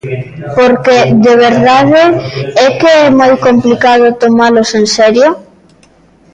Porque, de verdade é que é moi complicado tomalos en serio.